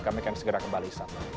kami akan segera kembali